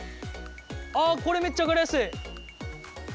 あこれめっちゃ分かりやすい。